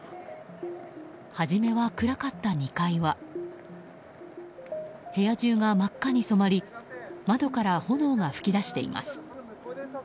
初めは暗かった２階は部屋中が真っ赤に染まり窓から炎が噴き出しています。